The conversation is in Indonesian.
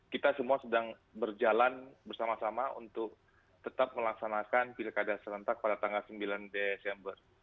kita semua sedang berjalan bersama sama untuk tetap melaksanakan pilkada serentak pada tanggal sembilan desember